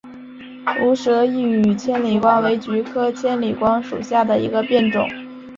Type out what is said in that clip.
无舌异羽千里光为菊科千里光属下的一个变种。